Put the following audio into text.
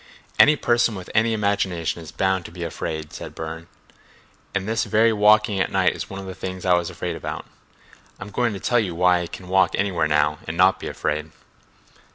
"Any person with any imagination is bound to be afraid," said Burne earnestly. "And this very walking at night is one of the things I was afraid about. I'm going to tell you why I can walk anywhere now and not be afraid."